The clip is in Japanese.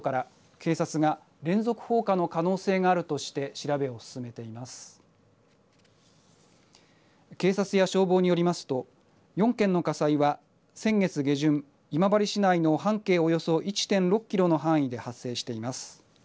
警察や消防によりますと４件の火災は先月下旬、今治市内の半径およそ１．６キロの範囲で発生しています。